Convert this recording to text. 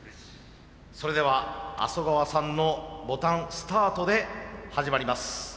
それでは麻生川さんのボタンスタートで始まります。